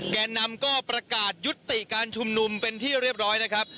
แก่นำก็ประกาศยุติการชุมนุมเป็นที่เรียบร้อยนะครับ